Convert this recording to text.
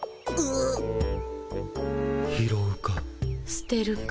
すてるか。